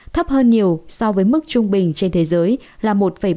thấp hơn nhiều so với mức trung bình trên thế giới là một ba mươi